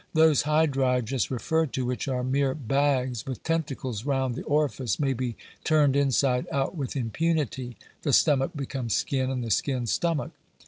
Those Hydra just referred to, which are mere bags, with tentacles round the orifice, may be turned inside out with impunity : the stomach becomes skin, and the skin stomach.